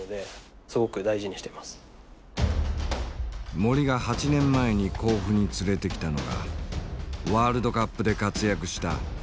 森が８年前に甲府に連れてきたのがワールドカップで活躍した伊東純也だ。